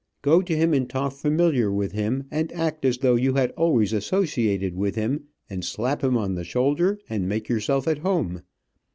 Go to him and talk familiar with him, and act as though you had always associated with him, and slap him on the shoulder, and make yourself at home.